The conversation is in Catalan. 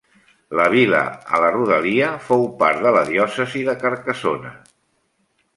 La vila a la rodalia fou part de la diòcesi de Carcassona.